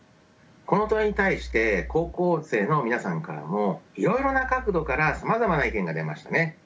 この問いに対して高校生の皆さんからもいろいろな角度からさまざまな意見が出ましたね。